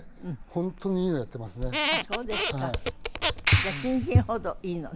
じゃあ新人ほどいいのね？